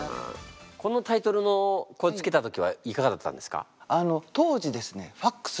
このタイトルのこれ付けた時はいかがだったんですか？